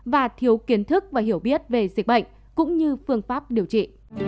và thiếu kiến thức và hiểu biết về dịch bệnh cũng như phương pháp điều trị